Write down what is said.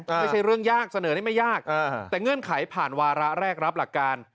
ไม่ใช่เรื่องยากเสนอนี้ไม่ยากแต่เงื่อนไขผ่านวาระแรกรับหลักการ